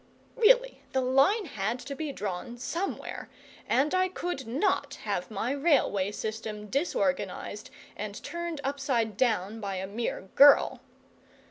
Really the line had to be drawn somewhere, and I could not have my railway system disorganised and turned upside down by a mere girl.